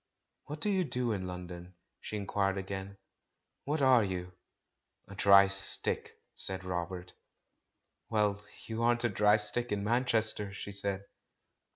"What do you do in London?" she inquired again. "What are you?" "A dry stick," said Robert. "Well, you aren't a dry stick in Manchester!'* she said.